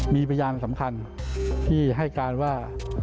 มีพยานสำคัญที่ให้การว่า